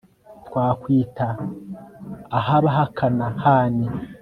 twakwita ah'abakanahani